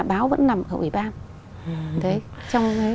báo vẫn nằm ở ủy ban